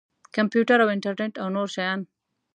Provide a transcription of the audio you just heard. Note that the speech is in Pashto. کمپیوټر او انټرنټ او نور شیان.